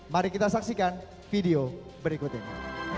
mari kita saksikan video berikut ini